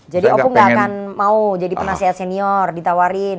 jadi opung nggak akan mau jadi penasehat senior ditawarin